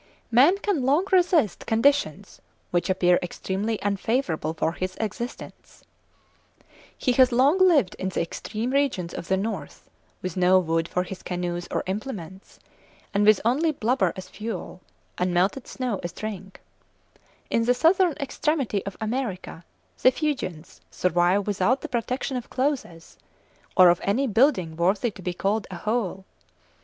Man can long resist conditions which appear extremely unfavourable for his existence. (31. Dr. Gerland, 'Ueber das Aussterben der Naturvölker,' 1868, s. 82.) He has long lived in the extreme regions of the North, with no wood for his canoes or implements, and with only blubber as fuel, and melted snow as drink. In the southern extremity of America the Fuegians survive without the protection of clothes, or of any building worthy to be called a hovel.